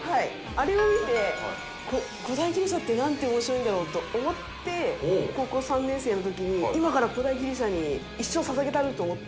あれを見て古代ギリシャってなんて面白いんだろうと思って高校３年生の時に今から古代ギリシャに一生捧げたる！と思って。